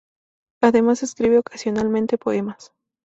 Además escribe ocasionalmente poemas.